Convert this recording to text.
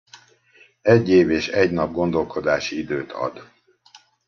Egy év és egy nap gondolkodási időt ad.